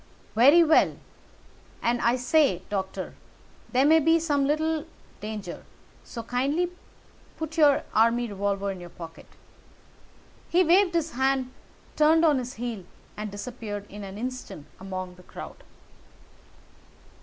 "Very well. And, I say, Doctor, there may be some little danger, so kindly put your army revolver in your pocket." He waved his hand, turned on his heel, and disappeared in an instant among the crowd.